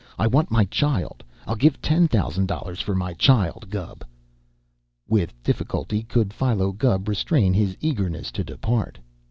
"I want my child I'll give ten thousand dollars for my child, Gubb." With difficulty could Philo Gubb restrain his eagerness to depart.